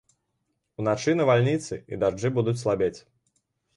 Уначы навальніцы і дажджы будуць слабець.